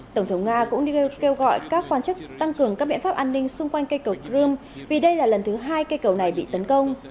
tổng thống nga cũng kêu gọi các quan chức tăng cường các biện pháp an ninh xung quanh cây cầu krum vì đây là lần thứ hai cây cầu này bị tấn công